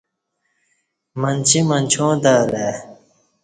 منچی منچاں تہ الہ ای